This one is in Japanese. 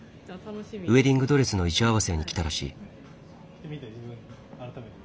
ウエディングドレスの衣装合わせに来たらしい。